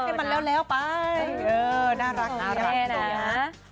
ให้มันไร้แล้วไปเออน่ารักแล้วน่ารัก